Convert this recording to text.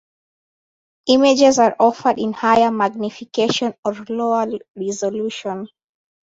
Images are offered in higher magnification or lower resolution.